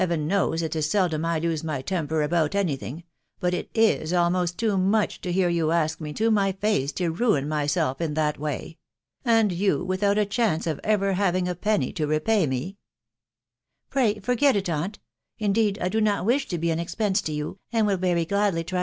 Tcnows it is seldom I lose my temper about any 1suam>imt'Si* almost too much to hear you ask me to my £aeeao rnitLsnysdl In that way, .... and you witheut a Tftiirnrrf nmrrr hmiagi penny to repay me !" u Pray forget it, aunt ! Indeed Isbnot wishfto brsi expense to you, and will very gladly try.